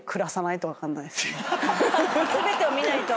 全てを見ないと。